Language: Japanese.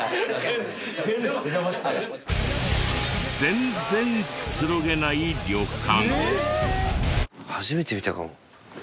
全然くつろげない旅館。